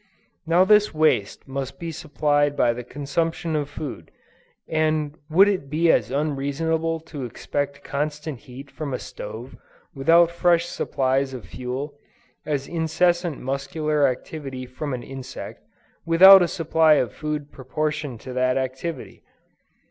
Now this waste must be supplied by the consumption of food, and it would be as unreasonable to expect constant heat from a stove without fresh supplies of fuel, as incessant muscular activity from an insect, without a supply of food proportioned to that activity.